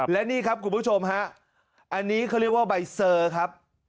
และนี่ครับคุณผู้ชมฮะอันนี้เขาเรียกว่าใบเซอร์ครับ